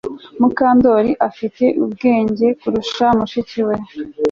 Mukandoli afite ubwenge kurusha mushiki we